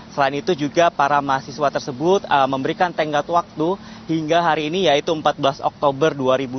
selain itu juga para mahasiswa tersebut memberikan tenggat waktu hingga hari ini yaitu empat belas oktober dua ribu dua puluh